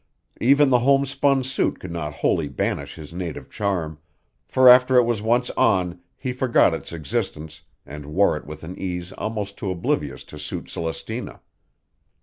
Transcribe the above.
Even the homespun suit could not wholly banish his native charm, for after it was once on he forgot its existence and wore it with an ease almost too oblivious to suit Celestina.